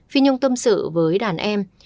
phi nhung tâm sự với đàn em